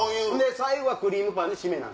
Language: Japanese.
最後はクリームパンで締め。